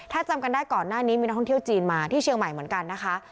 ถ้าจำกันได้ก่อนหน้านี้มีนักท่องเที่ยวจีนมาที่เชียงใหม่เหมือนกันนะคะ